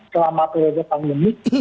selama periode penghuni